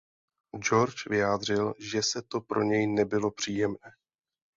George vyjádřil že se to pro něj nebylo příjemné.